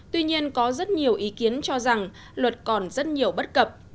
tuy nhiên có rất nhiều ý kiến cho rằng luật còn rất nhiều bất cập